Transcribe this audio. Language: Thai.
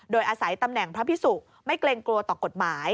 โดยอาศัยตำแหน่งพระพิสุไม่เกรงกลัวต่อกฎหมาย